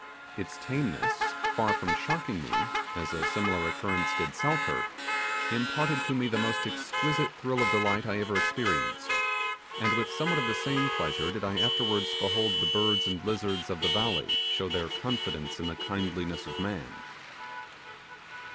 Its tameness, far from shocking me, as a similar occurrence did Selkirk, imparted to me the most exquisite thrill of delight I ever experienced, and with somewhat of the same pleasure did I afterwards behold the birds and lizards of the valley show their confidence in the kindliness of man.